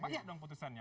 mana dong putusannya